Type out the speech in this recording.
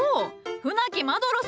船木マドロス